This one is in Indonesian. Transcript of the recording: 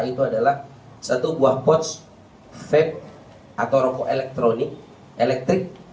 itu adalah satu buah pot vape atau rokok elektronik elektrik